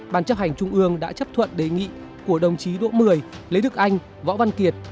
bàn chấp hành trung ương đã chấp thuận đề nghị của đồng chí độ một mươi lê đức anh võ văn kiệt